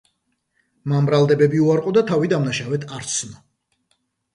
მან ბრალდებები უარყო და თავი დამნაშავედ არ ცნო.